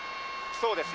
そうですね。